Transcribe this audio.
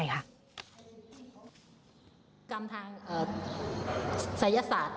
คิดจากการศัยศาสตร์